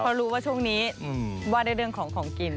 เพราะรู้ว่าช่วงนี้ว่าได้เรื่องของของกิน